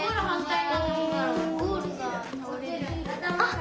あっ！